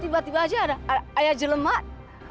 tiba tiba aja ada ayah jelemak